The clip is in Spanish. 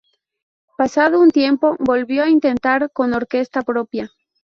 Pasado un tiempo, volvió a intentar con orquesta propia.